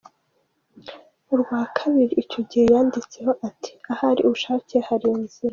Urwa kabiri icyo gihe yanditseho ati “ahari ubushake hari inzira.